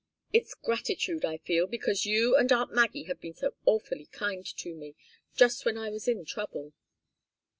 It's gratitude I feel, because you and aunt Maggie have been so awfully kind to me, just when I was in trouble."